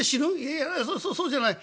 「いやそそうじゃない。